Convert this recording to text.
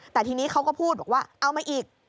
แต่ทีนี้เขาก็พูดบอกว่าเอามาอีก